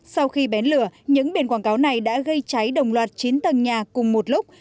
sau khi bén lửa những biển quảng cáo này đã gây cháy đồng loạt chín tầng nhà cùng một lúc